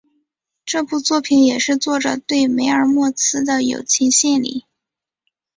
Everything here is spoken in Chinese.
这部作品也是作者对梅尔莫兹的友情献礼。